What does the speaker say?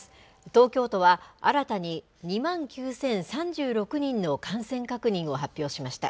東京都は新たに２万９０３６人の感染確認を発表しました。